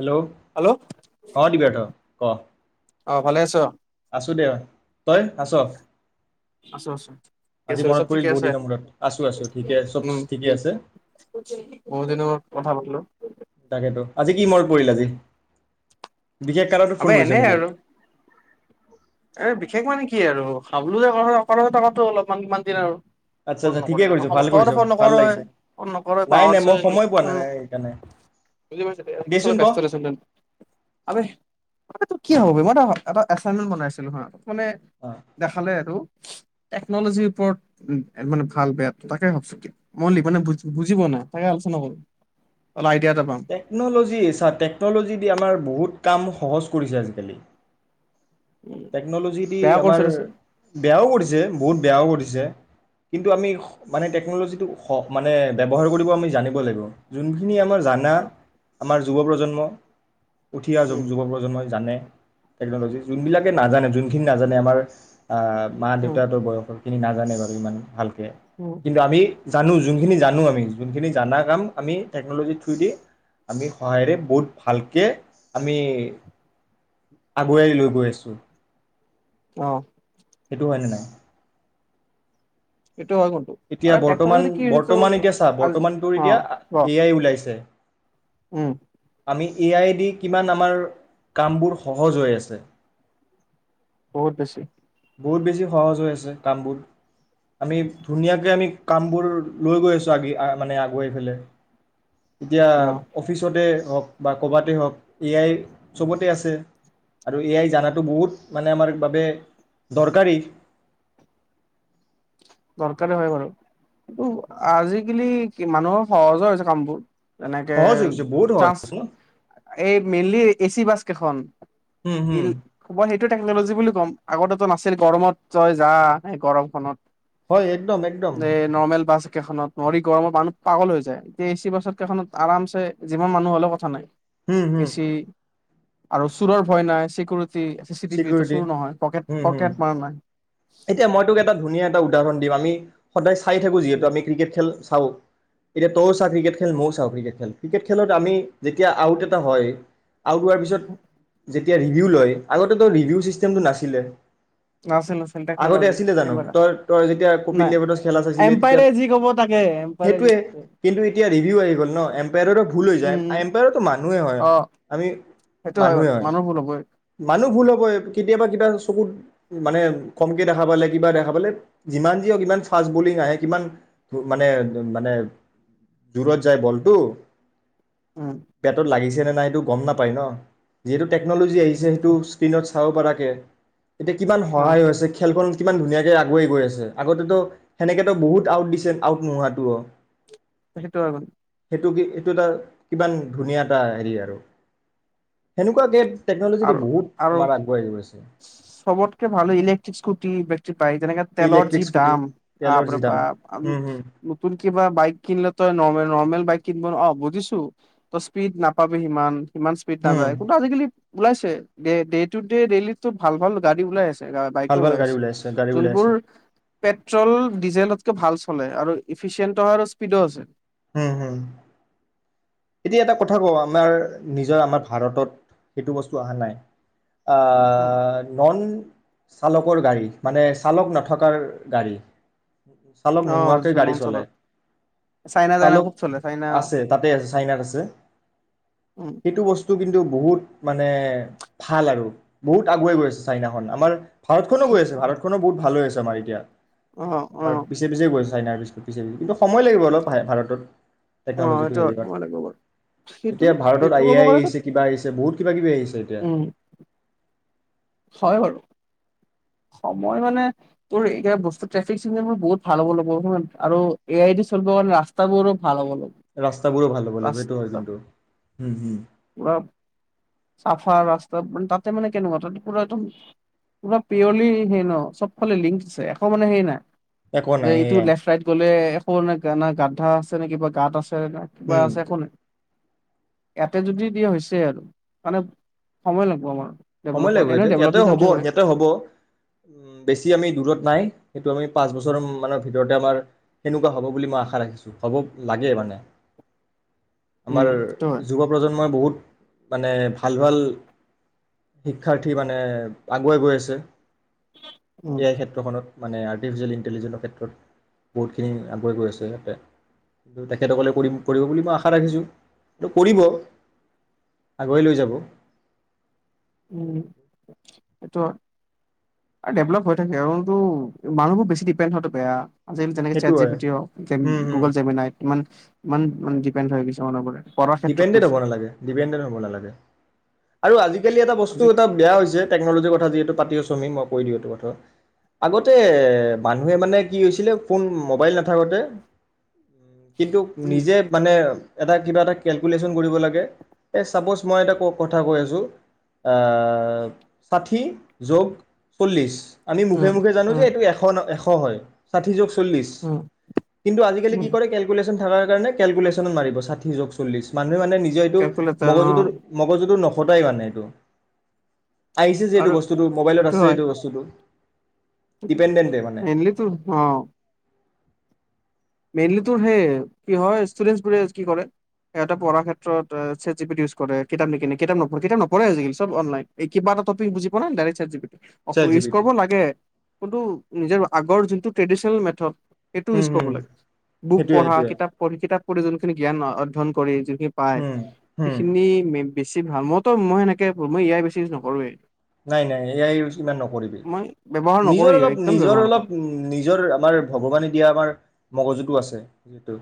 Hello hello অ' দিৰ্বাথ ক। অ' ভালে আছ? আছো দে, তই আছ? আছো আছো, আজি মনত চব পৰিল ঠিকে বহুত আছে? দিনৰ মূৰত আছো আছো ঠিকে চব উম ঠিকে আছে বহুত দিনৰ মুৰত কথা পাতিলো। তাকেতো। আজি কি মনত পৰিল আজি? বিশেষ কাৰণত ফোন আবে কৰিছ এনে নেকি আৰু, এ বিশেষ মানে কি, কি আৰু খাবলৈ [unintelligible] অলপমান কিমান দিন আৰু আচ্ছা ফোন আচ্ছা ঠিকে নকৰিবি কৰিছ ভাল [unintelligible] তোৰ কৰিছ ফোন ভাল নকৰ এ, লাগিছে ফোন নকৰ এ নাই নাই পাহৰচ মই এ সময় পোৱা ফোন, নাই নাই সেইকাৰণে বুজি পাইছো এনকে দেচোন চবেই ক ব্যস্ত দে চোন, অবে। অবে তোৰ কি হ'ব বে, মই এটা, এটা এচাইনমেন্টত বনাইছিলো হা। মানে, অ দেখালে আৰু। টেকনলজিৰ ওপৰত [unintelligible] মানে ভাল বেয়াটো। তাকে ভাবছো কি, মই [unintelligible] মানে বুজি পোৱা নাই তাকে আলোচনা কৰো। অলপ আইডিয়া এটা পাম টেকন'ল'জি, ছা টেকন'লজী দি আমাৰ বহুত কাম সহজ কৰিছে আজিকালি। টেকন'লজি দি বেয়া কৰিছে আমাৰ, দেচোন বেয়াও কৰিছে বহুত বেয়াও কৰিছে, কিন্তু আমি [unintelligible] মানে টেকন'লজিটো স মানে ব্যৱহাৰ কৰিব আমি জানিব লাগিব। জোন [unintelligible] আমাৰ জানা। আমাৰ যুৱ প্ৰজন্ম। উঠি অহা যু উম যুৱ প্ৰজন্মই জানে। টেকন'লজি জোনবিলাক নাজানে, জোনখিনি নাজানে আমাৰ। অ, মা উম দেউতাতো বয়স সি নাজানে বাৰু ইমান ভাল উম, কিন্তু আমি। জানো জোনখিনি জানো আমি, জোনখিনি জানা কাম আমি টেকন'লজিৰ থ্ৰু দি, আমি সহায়েৰে বহুত ভালকে, আমি আগুৱাই লৈ গৈ আছোঁ। অ। সেইটো হয়নে নাই সেইটো হয় কিন্তু এতিয়া আৰু বৰ্তমান, টেকন'লজিটো কি হৈছে তোৰ বৰ্তমান এতিয়া চা, আজ বৰ্তমান তোৰ এতিয়া অ', ক এ আই ওলাইছে। উম। আমি এ আই দি কিমান আমাৰ, কামবোৰ সহজ হৈ আছে। বহুত বেছি। বহুত বেছি সহজ হৈ আছে কামবোৰ। আমি ধুনীয়াকে আমি কামবোৰ লৈ গৈ আছোঁ আগে আ মানে আগুৱাই পেলে। এতিয়া, অ', অফিচতে হওঁক। বা ক'বাতে হওঁক। এ আই চবতে আছে আৰু এ আই জানাতো বহুত মানে আমাৰ বাবে দৰকাৰী। দৰকাৰী হয় বাৰু, কিন্তু আজিকালি মানুহৰ সহজো হৈছে কামবোৰ। তেনেকে, সহজ হৈ গৈছে বহুত সহজ হৈছে ন [unintelligible] এই মেইনলি এই এ চি বাছ কেইখন। হুম হুম [unintelligible] টেকন'লজি বুলি ক'ম, আগতেটো নাছিল গৰমত তই যা এই গৰমখনত। হয় একদম একদম এই নৰ্মেল বাছ কেইখনত নৰি গৰমৰ মানুহ পাগল হৈ যায়। এ, এ চি বাছত কেইখনত আৰামছে যিমান মানুহ হলেও কথা নাই। হুম এ হুম চি। আৰু চোৰৰ ভয় নাই চিকিউৰি চি চি টিভি টো চিকিউৰিটি চুৰ নহয় পকেট হুম পকেট হুম মাৰ নাই এতিয়া মই তোক এটা ধুনীয়া এটা উ উদাহৰণ দিও আমি সদায় চাই থাকো যিহেতু আমি ক্ৰিকেট খেল চাওঁ এতিয়া তইয়ও চা ক্ৰিকেট খেল ময়ো চাও ক্ৰিকেট খেল ক্ৰিকেট খেলত আমি যেতিয়া আউট এটা হয় আউট হোৱাৰ পিছত যে তে ৰিভিউ লয় আগতে তৌ ৰিভিউ চিষ্টেমটো নাছিল নাছিল নাছিল আগতে টেকনলজি আছিলে জানো কেমেৰা তই তই যেতিয়া কপিল নাই দেৱতৰ খেলা চাইছিলে তেতিয়া এম্পায়াৰে যি কব তাকে এম্পায়াৰে যি সেইটোৱে কিন্তু এতিয়া ৰিভিউ আহি গ'ল ন এম্পায়াৰো ভুল হৈ যায় উম উম এম্পায়াৰটো মানুহেই হয় অ আমি সেইটো বাৰু মানুহে হয় মানুহ ভুল হ'বই মানুহ ভুল হ'বয়ে কেতিয়াবা কিবা চকুত মানে কমকে দেখা পালে কিবা দেখা পালে যিমান যিহক ইমান ফাষ্ট বলিং আহে কিমান মানে মানে জৰত যায় বলটো উম পেটত লাগিছে [unintelligible] নাইটো গম নাপায় ন যিহেতু টেকন'লজী আহিছে টো উম স্ক্ৰীনত খাও পৰাকৈ এতিয়া কিমান অ সহায় হৈছে কিমান ধুনীয়াকে আগুৱাই গৈ আছে আগতেতো সেনেকেতো বহুত আউট দিছে আউট নোহোৱাটো [inaudible] এইটো কি এইটো এটা কিমান ধুনীয়া এটা হেৰি আৰু সেনুকোৱাকে আৰু আৰু চবতকে ভালেখিনি স্কুটি [unintelligible] বাইক যেনেকে তেলৰ যি ইলেক্ট্ৰিক স্কুটি দাম তেলৰ বাপৰে যি দাম বাপ উম হুম নতুন কিবা বাইক কিনিলেটো নৰ্মে নৰ্মেল বাইক কিনব অ বুজিছো ত স্পীড নাপাবি সিমান ইমান স্পীড নাযায় উম ক'ত আজিকালি ওলাইছে ডে টু ডে ডেইলিতো ভাল ভাল গাড়ী ওলাই আছে বাইকো ভাল ভাল ওলাই গাড়ী আছে গাড়ী যোন ওলাই বোৰ আছে পেট্ৰ'ল ডিজেলত কেও ভাল লে আৰু ইফিচিয়েণ্টৰ স্পিডো আছে হম হম এতিয়া এটা কথা কওঁ আমাৰ নিজৰ আমাৰ ভাৰতত সেইটো বস্তু অহা নাই আ নন চালকৰ গাড়ী মানে চালক নথকাৰ গাড়ী চালক অ নোহোৱাকৈ বুজিছো গাড়ী নন চলাই চলত চাইনা চাইনা চালক খুব চলে চাইনা আছে তাতে আছে বাই ভাল আছে? অ এইটো বস্তু কিন্তু বহুত মানে ভাল আৰু, বহুত আগুৱাই গৈ আছে চাইনাখন। আমাৰ ভাৰতখনো গৈ আছে, ভাৰতখনো বহুত ভাল হৈ আছে। জ মাৰি দিয়া অ অ ৰত পিছে পিছে গৈ আছে। চাইনাৰ বিস্কুট, পিছে কিন্তু সময় লাগিব অলপ ভাৰ ভাৰতত। অ টেকনলজিটো সেইটো হয় হেৰি কৰ মই লাগিব বাৰু। সেইটো এতিয়া ভাৰতত সেইটো আই কৰিব আ গ'লে ত আহিছে কিবা আহিছে বহুত কিবা কিবি আহিছে এতিয়া। উম হয় বাৰু। সময় মানে তোৰ, এই বস্তু ট্ৰফিক চিগনেলবোৰ বহুত ভাল হ'ব লাগিব আৰু এ আই দি চলিবৰ কাৰণে ৰাস্তাবোৰো ভাল হ'ব লাগিব ৰাস্তাবোৰো ভাল হ'ব লাগিব, এইটো হয় ৰাস্তা কিন্তু। হুম হুম [unintelligible] চাফা ৰাস্তাত মা তাতে মানে কেনেকুৱা? তাতে পুৰা একদম পুৰা পিয়ৰলি সেই ন চব ফালে লিংক আছে, একো মানে সেই নাই। একো যে নাই এইটো সেয়া লেফ্ট ৰাইট গ'লে এ না গাদ্ধা আছে নে কিবা গাত আছে, না কিবা উম আছে একো নাই। ইয়াতে যদি দিয়া হৈছে আৰু, মানে সময় লাগিব আমাৰ। ডেভলপ সময় হোৱাত লাগিব, এনে ইয়াতে ডেভলপিং হ'ব কানট্ৰি হয় ইয়াতে হ'ব উম বেছি আমি দূৰত নাই, সেইটো আমি পাঁচ বছৰ অমম মানৰ ভিতৰতে আমাৰ সেনেকুৱা হ'ব বুলি মই আশা ৰাখিছোঁ, হ'ব লাগে মানে। আমাৰ উম সেইটো হয় যুৱ প্ৰজন্মই বহুত মানে ভাল ভাল শিক্ষাৰ্থী মানে আগুৱাই গৈ আছে। উম এ আই ক্ষেত্ৰখনত। মানে আৰ্টিফিচিয়েল ইণ্টেলিজেন্ঞ্চৰ ক্ষেত্ৰত বহুতখিনি আগুৱাই গৈ আছে ইয়াতে, তেখেতসকলে কৰি কৰিব বুলি মই আশা ৰাখিছোঁ। এ কৰিব, আগুৱাই লৈ যাব। উম, সেইটো হয় আৰু ডেভলপ হৈ থাকে কাৰনটো মানুহবোৰ বেছি ডিপেণ্ড হোৱাটো বেয়া। আজি কালি যেনেকে সেইটো চেট হয় জিপিটি হওক উম, হুম, গুগ'ল জেমিনায় ইমান ইমান ডিপেণ্ড হৈ গৈছে মানুহবোৰে। পঢ়াৰ ক্ষেত্ৰত ডিপেণ্ডেট কৈছো হ'ব নালাগে ডিপেণ্ডেণ্ট হ'ব নালাগে। আৰু আজি আজিকালি বস্তু আজি এটা বেয়া হৈছে, টেনলজি আজি হেতু পাতি আছো আমি, মই কৈ দিওঁ এইটো কথা আগতে মানুহে মানে কি হৈছিলে ফোন মোবাইল নাথাকোঁতে কিন্তু নিজে মানে এটা কিবা এটা কেলকুলেশ্যন কৰিব লাগে, এই চাপ'জ মই এটা কও কথা কৈ আছো, আ ষাঠি যোগ চল্লিছ আমি মুখে উম মুখে জানো যে উম এইটো এখন এশ হয় হয় ষাঠি যো চল্লিচ উম কিন্তু আজি কালি কি উম কৰে কেলকোলেচ টো থকাৰ কাৰণে কেলকুলেশ্যন মাৰি দিয়ে ষাঠি যোগ চল্লিশ মান মানুহে মানে নিজৰ এইটো কেলকুলেটাৰ অ মগজুটোৰ মগজতো নখটাই মানে এইটো। আহিছে যে এইটো আৰু বস্তুটো মোবাইলত আছে সেইটো বস্তুটো। ডিপেণ্ডেণ্টে মানে এনলি তো অ। মেইনলি তোৰ সেই কি হয়, ষ্টুডেণ্টবোৰে কি কৰে সেহেতে পঢ়াৰ ক্ষেত্ৰত chat G P T use কৰে, কিতাপ নিকনে কিতাপ নপঢ়ে আজিকালি চব অনলাইন। এই কিবা এটা টপিক বুজি পোৱা নাই direct chat G P T ত। অ', খ chat G use P T কৰিব লাগে। ন্তটো নিজৰ আগৰ যোনটো ট্ৰেডিচনেল মেথড এইটো ইউজ উম, কৰিব হুম, লাগে। বুক সেইটোৱে পঢ়া সেইটোৱে কিতাপ পঢ়ি কিতাপ পঢ়ি যোনখিনি জ্ঞান অধ্য়ন কৰি পায় উম, হুম। সখিনি বেছি ভাল মইতো মইহেনেকে মই এ আই বেছি ইউজ নকৰোৱে। নাই নাই এইয়াই ইউজ ইমান নকৰিবি, মই ব্যৱহাৰ নিজৰ নকৰোৱে অলপ একদম নিজৰ ব্যৱহাৰ অলপ নকৰো উ নিজৰ আমাৰ ভগৱানে দিয়া আমাৰ মগজুতটো আছে যিতু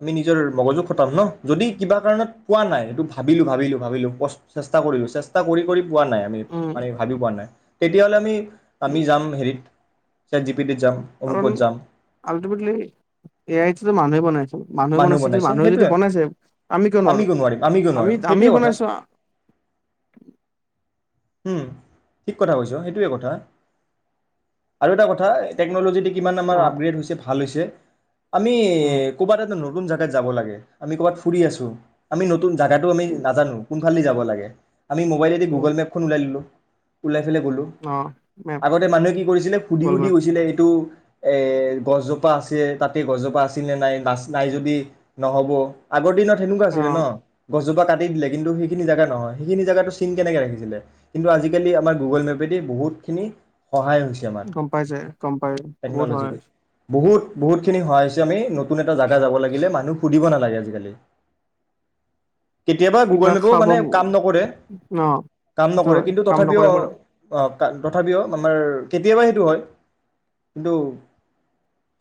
আমি নিজৰ মগজু ফটাম ন? যদি কিবা কাৰণত পোৱা নাই সেইটো ভাবিলোঁ, ভাবিলোঁ, ভাবিলোঁ, চেষ্টা কৰিলোঁ চেষ্টা কৰি কৰি পোৱা নাই আমি উম টোৱা নাই তেতিয়াহ'লে আমি আমি যাম হেৰিত ছেট জীপ কাৰণ অলটিমেটলি এয়াইটো মানহে বনছে। মানুহে মানুহ বনাইছে মানুহে যদি সেইটোৱে বনাইছে আমি কিয় নোৱাৰো নোৱাৰিম কিয় নোৱাৰিম আমি সেইটোৱে আমি কথা বনাইছো। উম, ঠিক কথা কৈছো সেইটোৱে কথা, আৰু এটা কথা টেকনলজি কিমান অ আমাৰ আপগ্ৰেড হৈছে ভাল হৈছে। আমি উম কুবাৰতনো নতুন জগাত যাবা লাগে আমি কৰবাত ফুৰি আছোঁ, আমিত নতন জগাটো আমি উম নাজানো ভালি যাব লাগে। আমি মবাইলদি উম গুগল মেপ ওলাই ওলাই গলো অ মেম আগতে মানুহে কি কৰিছিলে সুধি গ'ল সুধি মেম গৈছিলে এইটো এ গছজোপা আছে তাতে গছজোপা আছিল নে নাই নাচ নাই যদি নহ'ব আগৰ দিনত তেনেকুৱা অ আছিলে ন? গজোপা কাট তি দিলেন্তু সেইখিনি জো নহয় সেইখিন জেগাটো চিন কেনেক ৰাখছিলে কিন্তু আজিকালি আমাৰ গুগল মেপেদি বহুতখিনি সহায় হৈছে আমাৰ গম পাইছে গম পাই বহুত হয় টেকন'লজিৰে বহুত বহুতখিনি সহায় আমি নতুন এটা জাগা যাব লাগিলে মানুহ সুধিব নালাগে আজিকালি কেতিয়াবা গুগল কিবা মেপো খাব মানে কাম নকৰে ন নক সেইটো হয় কিন্তু কাম তথাপিও নকৰে বাৰু অঁ তথাপিও আমাৰ কেতিয়াবা সেইটো হয় কিন্তু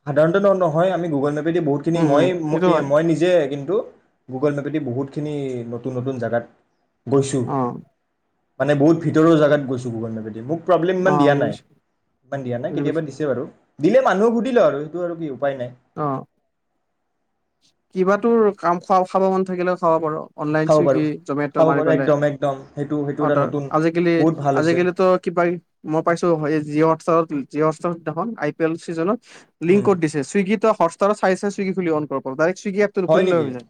সাধাৰণতে নহ নহয় আমি গুগল মেপ বহুতখিনি উম মই উম সেইটো হয় মই নিজে কি ু গুগল মেপেদি বহুতখিনি নতুন নতুন জেগাত গশু অ মানে বহুত ভিতৰৰ জগাত গৈছো গুগনবেী মোক প্ৰব্লেম অ ইমান দিয়া বুজি নাই পাইছো ইমান দিয়া নাই বুজি পাইছো কেতিয়াবা দিছে বাৰু দিলে মানুহ ঘুটিল ল আৰু সেইটো আৰু কি উপায় নাই অ কিবা তো কাম খোৱা খাব মন থাকিলেও খাব পাৰো অনলাইন খাব চুইগি পাৰোঁ জমেট' খাব মাৰি পাৰোঁ পেলাই একদম একদম সেইটো সেইটো অাৰ এটা নতুন আজিকালি বহুত ভাল হৈছে আজিকালিো কিবা মই পাইছো এই জিঅ' হোৱাটছপত জৃহসখন আই পি এল ছিজনত লিংক উম কৰি দিছে ছুইগিত চাই চি সুগি আপ্তুল খুল হয় নেকি অভিযান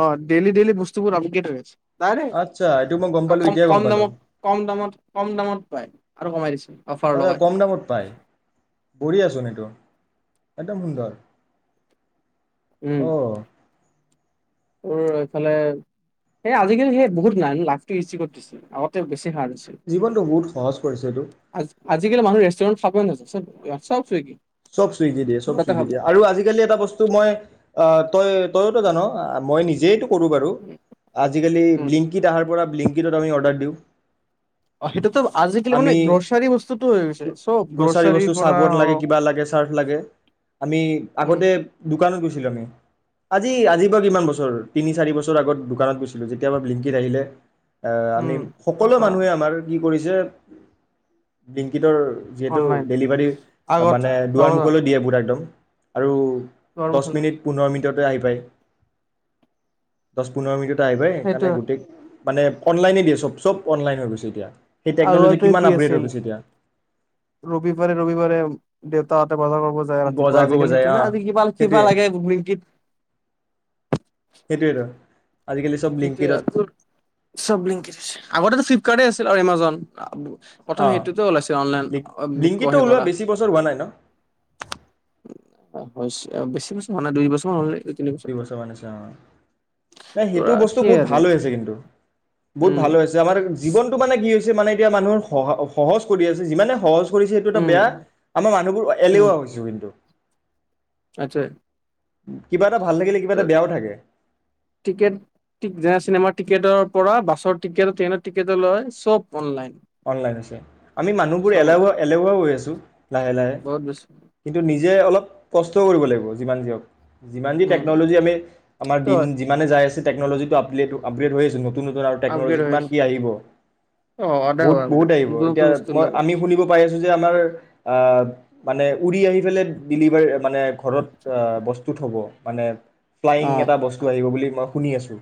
অ ডেইলি ডেইলি বস্তুবোৰ আমি কেেইৈছে নাই ন আচ্ছা এইটো মই গম আৰু পালোঁ কম এতিয়াই গম কম পালোঁ দামত কম দামত কম দামত পায় আৰু কমাই দিছে অফাৰ লগাই ব আচো এইটো একদম সুন্দৰ উম আহ তোৰ এইফালে স আজিকালি সেই বহুত নাই লাইফটো ইি কৰি দিছে আগতে বেছি সাৰ জীৱনটো বহুত সহজ কৰিছে এইটো আজিকালি মানুহ ৰেষ্টুৰেন্ট সাবছে চব ছুই কি চব চুইদি দিয়ে চব চুইদি দিয়ে আৰু আজিকালি এটা বস্তু মই অহ তই তইয়োতো জান, মই নিজেইটো বাৰু আজিকালি উম ব্লিনকিত অহাৰ পৰা আমি অৰ্ডাৰ দিওঁ অ সেইটোতো আজিকালি মানে আমি গ্ৰছাৰী বস্তুতটো হৈ গৈছে চব গ্ৰছাৰী গ্ৰ'ছাৰীৰ বস্তু পৰা চাবোন লাগে হওক। কিবা লাগে চাৰ্ট লাগে আমি উম আগতে দোকানত গৈছিলোঁ আমি, আজি আজিৰ পৰা কিমান বছৰ, তিনি চাৰি বছৰ আগত দোকানত গৈছিলোঁ যেতিয়াৰ পৰা ব্লিংকিত আহিলে অ আমি উম সকলো আচ্ছা মানুহে আমাৰ কি কৰিছে [inaudible] ডিংকিতৰ যিহেতু অনলাইন ডেলিভাৰী। তাৰ আগত মানে দুৱাৰ নগজা মুখলৈ দিয়ে পুৰা একদম। আৰু দছ দুৱাৰমুখলে মিনিট, পোন্ধৰ মিনিটত আহি পাই [inaudible] দছ, পোন্ধৰ মিনিটত তাই আহিপাই সেইটো সেইকাৰণে গোটেই মানে অনলাইনে দিয়ে চব, চব অনলাইন হৈ গৈছে এতিয়া। সেই টেকন'লজী আগতে কি কিমান আপগ্ৰেড হৈ আছিল গৈছে এতিয়া। ৰবিবাৰে ৰবিবাৰে দেউতা হতে বজাৰ কৰিব যায় ৰাতিপুৱা বজাৰ কৰিব আজিকালি যায় সেইটো অ নে আজি কিবা, কিবা সেইটোৱে লাগে সেইটোৱেতো [unintelligible] [inaudible] আজিকালি চব সেইটোৱে ব্লিংকিটত তোৰ, চব ব্লিংকিত হৈছে, আগতেটো ফ্লিপ কাৰে আছিল অ এমাজন [unintelligible] প্ৰথম অ' সেইটোতো ওলাইছে অনলাইন অ বুক অ ব্লিংকিটটো সেই ওলোৱা কৰা বেছি বছৰ হোৱা নাই ন [inaudible] হৈছে অ বেছি বছৰ হোৱা নাই দুই বছৰমান হল নি? দুই বছৰমান হৈছে অ', নাই ধৰা সেইটো [unintelligible] বস্তু সেই বহুত আৰু ভাল হৈ আছে কিন্তু, বহুত উম ভাল হৈ আছে আমাৰ জীবনটো মানে কি হৈছে মানে কি মানুহৰ সহ, সহজ কৰি আছে, যিমানে সহজ কৰিছে সেইটো এটা উম বেয়া, আমাৰ মানুহবোৰ উম এলেহুৱা হৈছোঁ কিন্তু। আচ্ছা কিবা এটা ভাল থাকিলে কিবা এটা বেয়াও থাকে [inaudible] টিকেট টিক যেনে চিনেমাৰ টিকেটৰ পৰা বাছৰ টিকেট ট্ৰেইনৰ টিকেটলৈ চব অনলাইন অনলাইন আছে, আমি মানুহবোৰ চব এলেহুৱা অনলাইন এলেহুৱা হৈ আছোঁ লাহে লাহে, বহুত বেছি কিন্তু নিজে অলপ কষ্টও কৰিব লাগিব যিমান যি হওক। যিমান যি উম টেকন'লজি আমি, আমাৰ তো দিন যিমানে যাই আছে টেকনলজিটো আপলেড আপগ্ৰেড হৈছিল ন? নতুন নতুন আৰু টেকনলজি আপগ্ৰেড হৈ কিমান আছে কি আহিব। অ আধা বহুত হোৱা বহুত আপগ্ৰেড আহিব নতুন এতিয়া নতুন আৰত বস্তু মই ওলাব আমি শুনিব পাইছোঁ ই যে আমাৰ আ মানে উৰি আহি পেলাই ডিলিভাৰী মানে ঘৰত আ বস্তু থব মানে ফ্লাইং অ এটা বস্তু আহিব বুলি মহ শুনি আছোঁ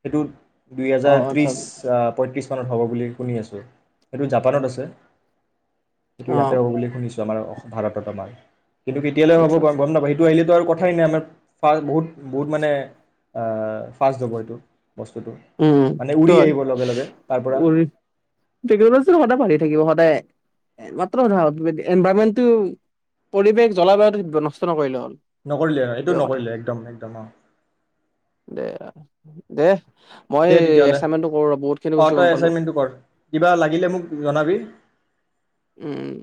সেইটোত দুই অ হেজাৰ আচ্ছা ত্ৰিশ আ পয়ত্ৰিশ। [unintelligible] হ'ব বুলি। শুনি আছোঁ এইটো জাপানত আছে। কি অ ইয়াতে হ'ব বুলি শুনিছোঁ। [unintelligible] অসম ভাৰতত আমাৰ। কিন্তু কেতিয়ালৈ হ'ব আচ্ছা আচ্ছা গম নাপাই সেইটো আহিলেটো আৰু ক [unintelligible] বহুত বহুত মানে আ ফাৰ্ষ্ট হ'ব আৰু এইটো। বস্তুটো উম মানে উৰি তই আহিব লগে লগে তাৰ পৰা। [unintelligible] সদায় ভালি থাকিব সদায় মাত্ৰ [unintelligible] এনভাইৰণমেণ্টটো পৰিৱেশ জলবায়ু নষ্ট নকৰিলে হ'ল। নকৰিলে এইটো সেইটোৱে কথা নকৰিলে একদম একদম অ। দে আৰ দে। মই দে তেতিয়াহ'লে, এচাইনমেন্টটো কৰো ৰ বহুত খিনি অ বস্তু গম তই পালো এছাইনমেণ্টটো কৰ কিবা লাগিলে মোক জনাবি। উম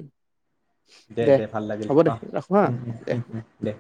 দে ভাল লাগিল হ'ব দে অহ ৰাখো হা উম উম দে। উম উম দে